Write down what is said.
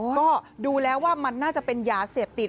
ก็ดูแล้วว่ามันน่าจะเป็นยาเสพติด